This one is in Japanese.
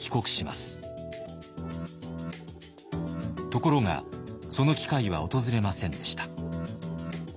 ところがその機会は訪れませんでした。